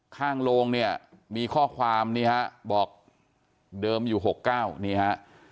ข้างโรงเนี่ยมีข้อความนี่ฮะบอกเดิมอยู่๖๙นี่ฮะ